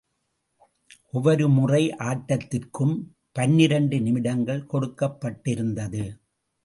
ஒவ்வொரு முறை ஆட்டத்திற்கும் பனிரண்டு நிமிடங்கள் கொடுக்கப்பட்டிருந்தது.